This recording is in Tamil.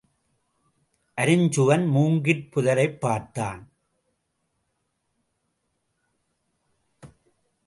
அருஞ்சுகன் மூங்கிற் புதரைப் பார்த்தான்.